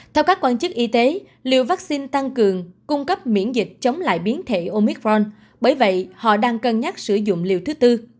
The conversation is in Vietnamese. theo các quan chức y tế liều vaccine tăng cường cung cấp miễn dịch chống lại biến thể omitron bởi vậy họ đang cân nhắc sử dụng liều thứ tư